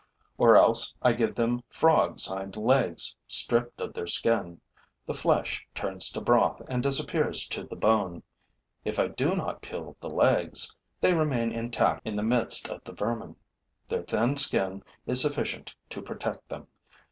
Or else I give them frogs' hind legs, stripped of their skin. The flesh turns to broth and disappears to the bone. If I do not peel the legs, they remain intact in the midst of the vermin. Their thin skin is sufficient to protect them.